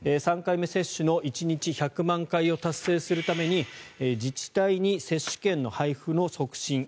３回目接種の１日１００万回を達成するために自治体に接種券の配布の促進